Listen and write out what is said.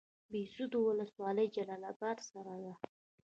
بهسودو ولسوالۍ جلال اباد سره ده؟